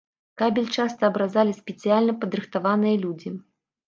Кабель часта абразалі спецыяльна падрыхтаваныя людзі.